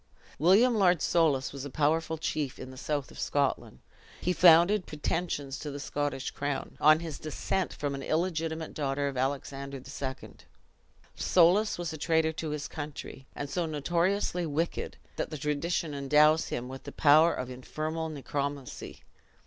William Lord Soulis was a powerful chief in the south of Scotland. He founded pretensions to the Scottish crown, on his descent from an illegitimate daughter of Alexander II. Soulis was a traitor to his country, and so notoriously wicked, that tradition endows him with the power of infernal necromancy.